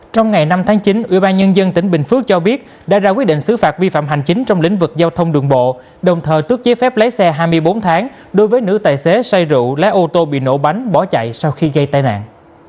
trong ngày năm tháng chín ubnd tỉnh bình phước cho biết đã ra quyết định xứ phạt vi phạm hành chính trong lĩnh vực giao thông đường bộ đồng thời tước giấy phép lái xe hai mươi bốn tháng đối với nữ tài xế say rượu lái ô tô bị nổ bánh bỏ chạy sau khi gây tai nạn